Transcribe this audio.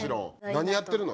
何やってるの？